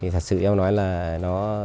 thật sự em nói là nó